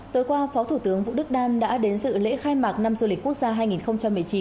tối qua phó thủ tướng vũ đức đam đã đến dự lễ khai mạc năm du lịch quốc gia hai nghìn một mươi chín